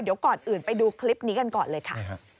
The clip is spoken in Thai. เดี๋ยวก่อนอื่นไปดูคลิปนี้กันก่อนเลยค่ะ